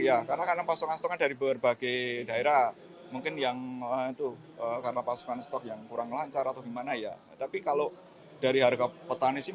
yang itu karena pasokan stok yang kurang lancar atau gimana ya tapi kalau dari harga petani sih